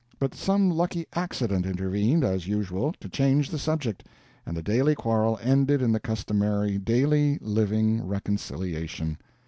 But some lucky accident intervened, as usual, to change the subject, and the daily quarrel ended in the customary daily living reconciliation.